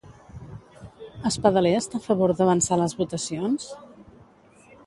Espadaler està a favor d'avançar les votacions?